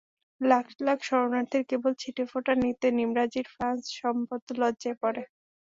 লাখ লাখ শরণার্থীর কেবল ছিটেফোঁটা নিতে নিমরাজি ফ্রান্স সম্ভবত লজ্জায় পড়ে।